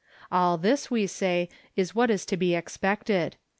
All this, we say, is what is to be expected.